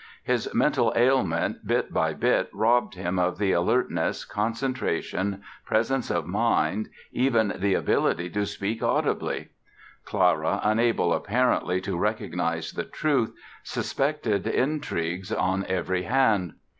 His mental ailment bit by bit robbed him of the alertness, concentration, presence of mind, "even the ability to speak audibly". Clara, unable apparently to recognize the truth, suspected intrigues on every hand.